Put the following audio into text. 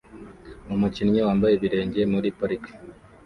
Umukinnyi wambaye ibirenge muri parike